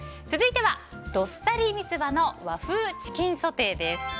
続いては、どっさりミツバの和風チキンソテーです。